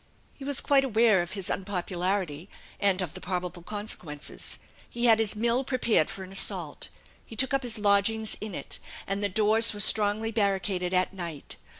He was quite aware of his unpopularity, and of the probable consequences. He had his mill prepared for an assault. He took up his lodgings in it; and the doors were strongly barricaded at night.